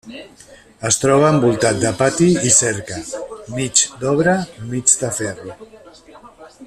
Es troba envoltat de pati i cerca, mig d'obra mig de ferro.